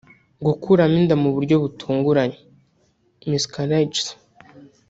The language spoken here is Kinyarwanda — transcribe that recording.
Gukuramo inda mu buryo butunguranye (miscarriages)